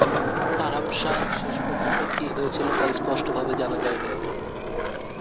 আরাম শাহর শেষপর্যন্ত কী হয়েছিল তা স্পষ্টভাবে জানা যায়নি।